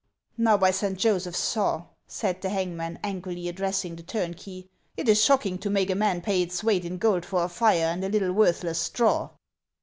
" Xow by Saint Joseph's saw," said the hangman, angrily addressing the turnkey, " it is shocking to make a man pay its weight in gold for a fire and a little worthless straw."